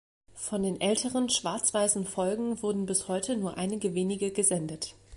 Von den älteren schwarzweißen Folgen wurden bis heute nur einige wenige gesendet.